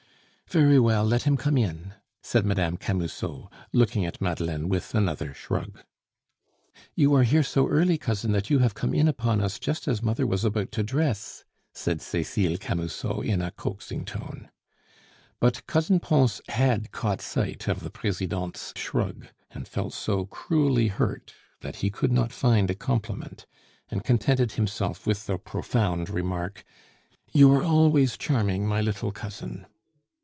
"Very well, let him come in!" said Mme. Camusot, looking at Madeleine with another shrug. "You are here so early, cousin, that you have come in upon us just as mother was about to dress," said Cecile Camusot in a coaxing tone. But Cousin Pons had caught sight of the Presidente's shrug, and felt so cruelly hurt that he could not find a compliment, and contented himself with the profound remark, "You are always charming, my little cousin."